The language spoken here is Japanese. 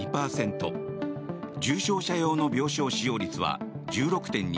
重症者用の病床使用率は１６．２％。